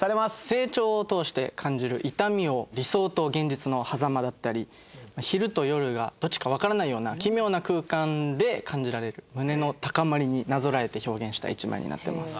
成長を通して感じる痛みを理想と現実のはざまだったり昼と夜がどっちかわからないような奇妙な空間で感じられる胸の高まりになぞらえて表現した一枚になっています。